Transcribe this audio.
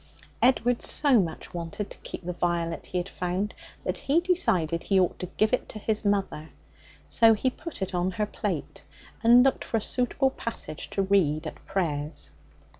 Edward so much wanted to keep the violet he had found that he decided he ought to give it to his mother. So he put it on her plate, and looked for a suitable passage to read at prayers.